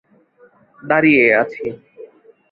দাঁড়িয়ে আছি।